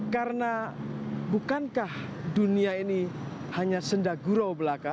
karena bukankah dunia ini hanya senda gurau belaka